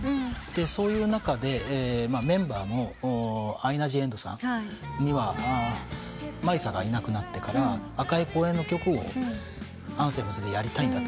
そういう中でメンバーのアイナ・ジ・エンドさんには米咲がいなくなってから赤い公園の曲をＡＮＴＨＥＭＳでやりたいんだ。